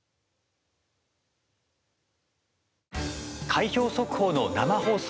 開票速報の生放送